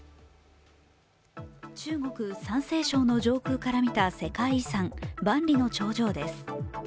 中国・山西省の上空から見た世界遺産万里の長城です。